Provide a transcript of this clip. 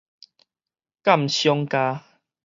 鑑賞家